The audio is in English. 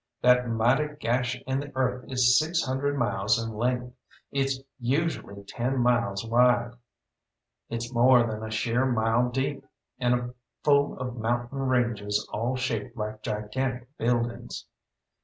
That mighty gash in the earth is six hundred miles in length, it's usually ten miles wide; it's more than a sheer mile deep, and full of mountain ranges all shaped like gigantic buildings.